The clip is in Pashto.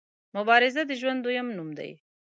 مبارزه د ژوند دویم نوم دی.